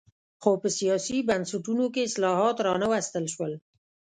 خو په سیاسي بنسټونو کې اصلاحات را نه وستل شول.